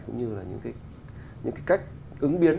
cũng như là những cái cách ứng biến